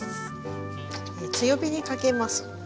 強火にかけます。